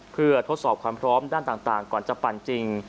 เพื่อทดสอบความพร้อมด้านต่างก่อนจะปั่นจริง